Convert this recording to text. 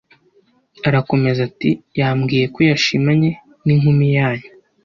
arakomeza ati: ”yambwiye ko yashimanye n’ inkumi yanyu